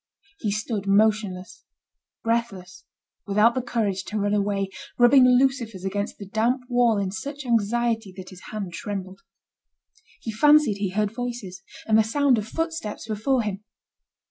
He stood motionless, breathless, without the courage to run away, rubbing lucifers against the damp wall in such anxiety that his hand trembled. He fancied he heard voices, and the sound of footsteps before him.